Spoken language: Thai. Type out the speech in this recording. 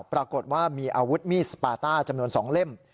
ปรากฏว่ามีอาวุธมีดสปาต้าจำนวน๒เล่ม